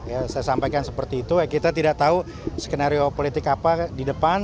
ya saya sampaikan seperti itu kita tidak tahu skenario politik apa di depan